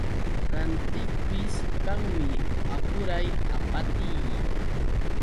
Rantiqpis kanmi apuray apatii.